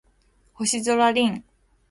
星空凛